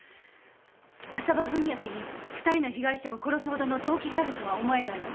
浅羽史明に２人の被害者を殺すほどの動機があるとは思えないわ。